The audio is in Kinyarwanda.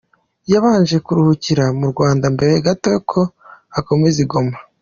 Yabanje kuruhukira mu Rwanda mbere gato ko akomeza i Goma.